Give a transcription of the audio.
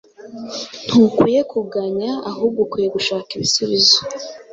Ntukwiye kuganya ahubwo ukwiye gushaka ibisubizo